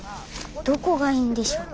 どこがいいんでしょう